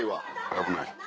危ない。